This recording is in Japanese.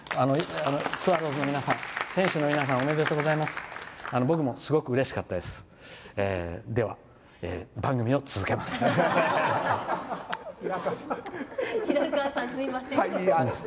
スワローズの選手の皆さんおめでとうございます。